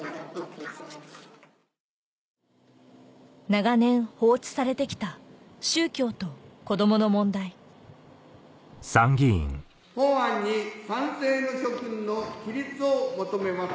長年放置されてきた宗教と子どもの問題法案に賛成の諸君の起立を求めます。